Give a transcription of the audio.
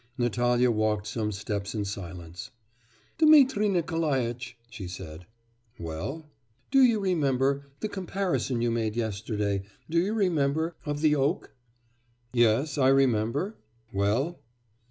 Natalya walked some steps in silence. 'Dmitri Nikolaitch!' she said. 'Well?' 'Do you remember the comparison you made yesterday do you remember of the oak?' 'Yes, I remember. Well?